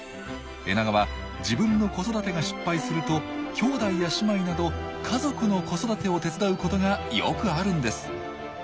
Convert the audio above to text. エナガは自分の子育てが失敗すると兄弟や姉妹など家族の子育てを手伝うことがよくあるんです。